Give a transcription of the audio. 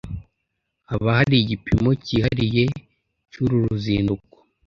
Haba hari igipimo cyihariye cyuru ruzinduko?